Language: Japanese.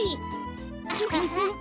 アハハッ！